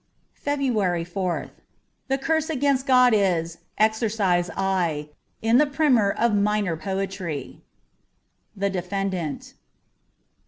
'' FEBRUARY 4th THE curse against God is ' Exercise I ' in the primer of minor poetry. ' The Dgfendant.''